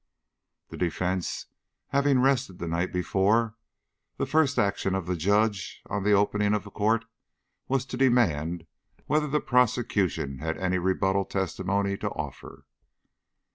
The defence having rested the night before, the first action of the Judge on the opening of the court was to demand whether the prosecution had any rebuttal testimony to offer.